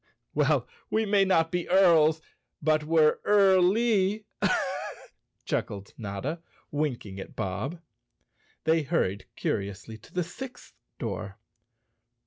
"Well, we may not be earls, but we're early," chuckled Notta, winking at Bob. They hurried curiously to the sixth door.